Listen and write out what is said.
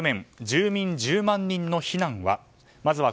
住民１０万人の避難は？